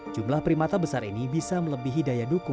jumlah primata besar ini bisa menyebabkan kejadian pembunuhan tersebut